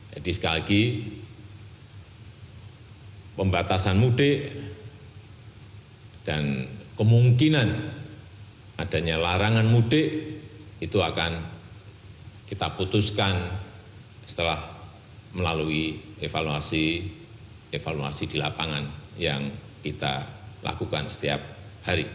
jadi sekali lagi pembatasan mudik dan kemungkinan adanya larangan mudik itu akan kita putuskan setelah melalui evaluasi di lapangan yang kita lakukan setiap hari